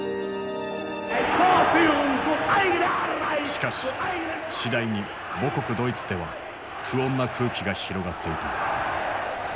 しかし次第に母国ドイツでは不穏な空気が広がっていた。